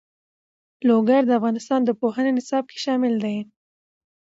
لوگر د افغانستان د پوهنې نصاب کې شامل دي.